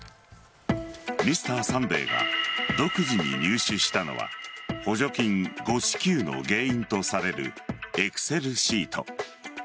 「Ｍｒ．サンデー」が独自に入手したのは補助金誤支給の原因とされるエクセルシート。